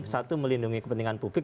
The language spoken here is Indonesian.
satu melindungi kepentingan publik